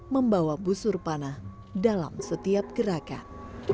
membawa busur panah dalam setiap gerakan